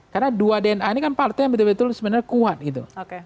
karena dua dna ini kan partai yang betul betul sebenarnya kuat gitu